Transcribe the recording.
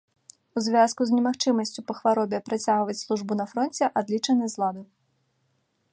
У звязку з немагчымасцю па хваробе працягваць службу на фронце, адлічаны з ладу.